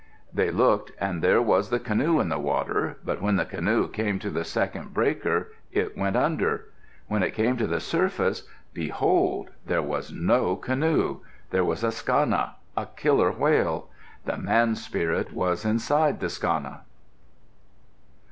They looked and there was the canoe in the water. But when the canoe came to the second breaker, it went under. When it came to the surface, behold! there was no canoe. There was a Skana a killer whale. The man spirit was inside the Skana.